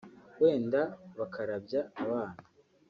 wenda bakarabya abana